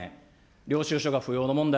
領収書が不要の問題。